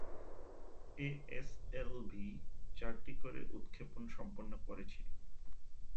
এ S L V চারটি করে উৎক্ষেপণ সম্পন্ন করেছিল।